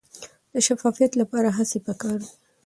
د شفافیت لپاره هڅې پکار دي.